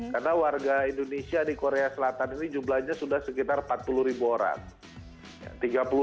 karena warga indonesia di korea selatan ini jumlahnya sudah sekitar empat puluh ribu orang